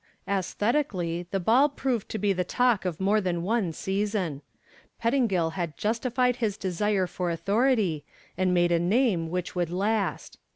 Aesthetically the ball proved to be the talk of more than one season. Pettingill had justified his desire for authority and made a name which would last.